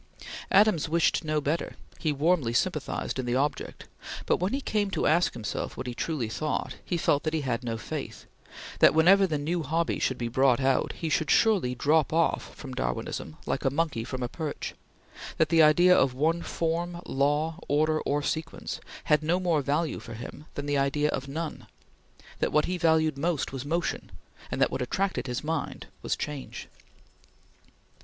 Adams wished no better; he warmly sympathized in the object; but when he came to ask himself what he truly thought, he felt that he had no Faith; that whenever the next new hobby should be brought out, he should surely drop off from Darwinism like a monkey from a perch; that the idea of one Form, Law, Order, or Sequence had no more value for him than the idea of none; that what he valued most was Motion, and that what attracted his mind was Change.